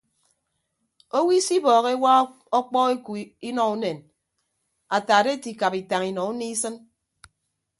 Owo isibọọhọ ewa okpọ eku inọ unen ataat ete ikap itañ inọ unie isịn.